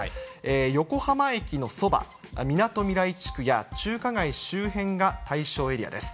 横浜駅のそば、みなとみらい地区や、中華街周辺が対象エリアです。